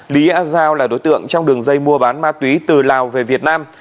lý a giao là đối tượng trong đường dây mua bán ma túy từ lào về việt nam